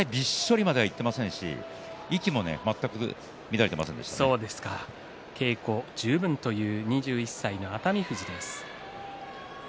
それ程汗びっしょりまではいっていませんし稽古十分という２１歳の熱海富士です。